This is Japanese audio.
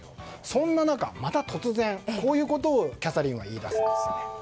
そんな中、また突然こういうことをキャサリンは言い出すんです。